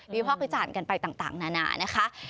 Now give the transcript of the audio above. ภาควิจารณ์กันไปต่างนานานะคะ